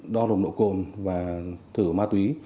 đo lồng độ cồn và thử ma túy